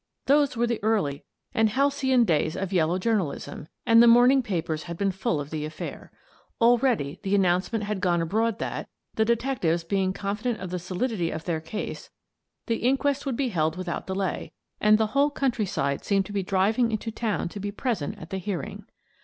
Those were the early and halcyon days of yellow journalism, and the morning papers had been full of the affair. Already the announcement had gone abroad that, the detectives being confident of the solidity of their case, the inquest would be held without delay, and the whole countryside seemed to be driving into town to be present at the hear ing.